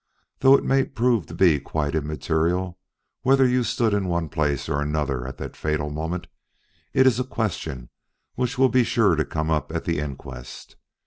Though it may prove to be quite immaterial whether you stood in one place or another at that fatal moment, it is a question which will be sure to come up at the inquest.